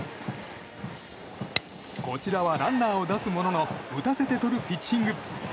こちらはランナーを出すものの打たせてとるピッチング